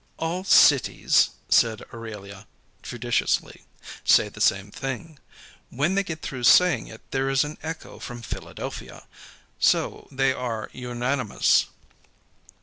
"All cities," said Aurelia, judicially, "say the same thing. When they get through saying it there is an echo from Philadelphia. So, they are unanimous."